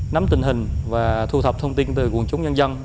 nắm tình hình và thu thập thông tin từ quần chúng nhân dân